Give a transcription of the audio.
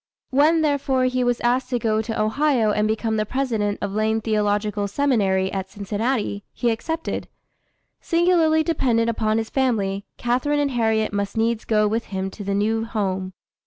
When, therefore, he was asked to go to Ohio and become the president of Lane Theological Seminary at Cincinnati, he accepted. Singularly dependent upon his family, Catharine and Harriet must needs go with him to the new home.